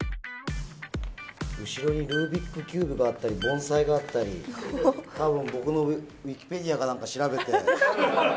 後ろにルービックキューブがあったり、盆栽があったり、たぶん僕のウィキペディアかなんか調べて。